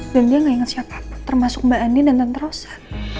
dan dia gak inget siapa termasuk mbak andi dan mbak nterosa